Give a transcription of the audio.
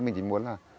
mình chỉ muốn là